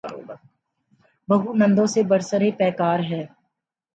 بہو نندوں سے برسر پیکار ہے۔